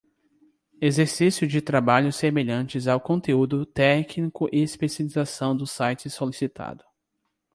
Exercício de trabalhos semelhantes ao conteúdo técnico e especialização do site solicitado.